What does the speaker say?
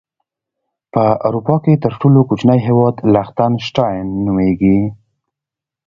په اروپا کې تر ټولو کوچنی هیواد لختن شټاين نوميږي.